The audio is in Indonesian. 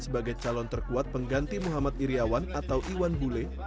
sebagai calon terkuat pengganti muhammad iryawan atau iwan bule